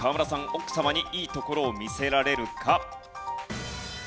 奥様にいいところを見せられるか？